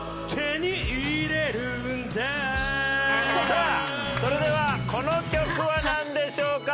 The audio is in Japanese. さあそれではこの曲はなんでしょうか？